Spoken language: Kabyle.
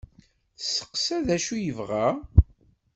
Testeqsa d acu i yebɣa.